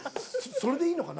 それでいいのかな？